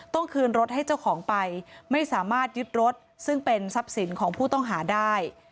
คืนรถให้เจ้าของไปไม่สามารถยึดรถซึ่งเป็นทรัพย์สินของผู้ต้องหาได้